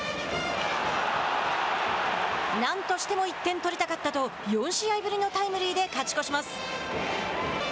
何としても１点取りたかったと４試合ぶりのタイムリーで勝ち越します。